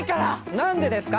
何でですか？